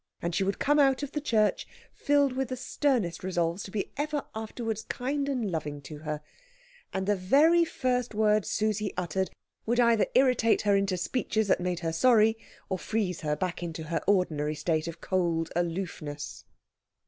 And she would come out of the church filled with the sternest resolves to be ever afterwards kind and loving to her; and the very first words Susie uttered would either irritate her into speeches that made her sorry, or freeze her back into her ordinary state of cold aloofness.